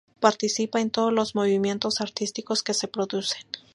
Participa en todos los movimientos artísticos que se producen.